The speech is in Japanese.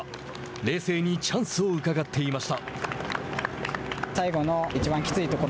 冷静にチャンスを伺っていました。